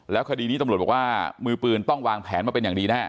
คดีนี้ตำรวจบอกว่ามือปืนต้องวางแผนมาเป็นอย่างดีแน่